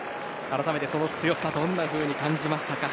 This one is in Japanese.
改めてその強さどんなふうに感じましたか？